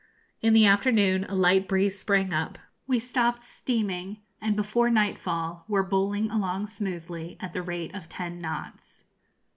In the afternoon a light breeze sprang up; we stopped steaming, and before nightfall were bowling along smoothly at the rate of ten knots.